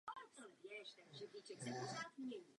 Vždyť je to hanebné!